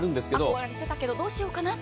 憧れてたけどどうしようかなと。